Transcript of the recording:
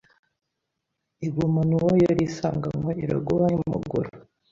igumana uwo yari isanganywe Iraguha ntimugura.